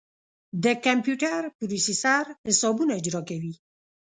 د کمپیوټر پروسیسر حسابونه اجرا کوي.